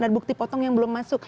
bukti potong yang belum masuk